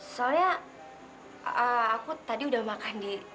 soalnya aku tadi udah makan di